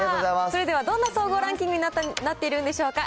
それではどんな総合ランキングになっているんでしょうか。